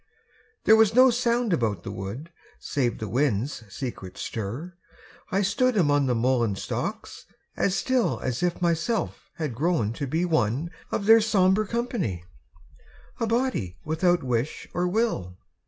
There was no sound about the wood Save the wind's secret stir. I stood Among the mullein stalks as still As if myself had grown to be One of their sombre company, A body without wish or will.